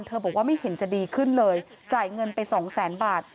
บอกว่าไม่เห็นจะดีขึ้นเลยจ่ายเงินไปสองแสนบาท